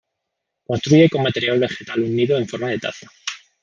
Construye con material vegetal un nido en forma de taza.